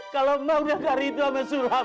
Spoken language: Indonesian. kalau mau gak karyakan itu sama suara maaf